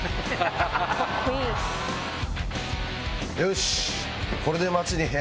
よし！